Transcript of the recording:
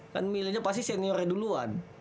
kan milihnya pasti senioren duluan